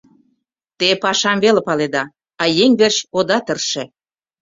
— Те пашам веле паледа, а еҥ верч ода тырше!